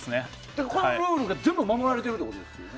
そのルールが全部守られているということですね。